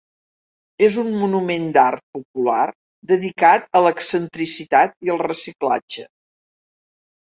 És un monument d'art popular dedicat a l'excentricitat i el reciclatge.